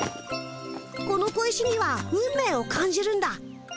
この小石には運命を感じるんだ。